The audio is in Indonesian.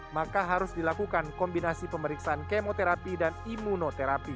maka harus dilakukan kombinasi pemeriksaan kemoterapi dan imunoterapi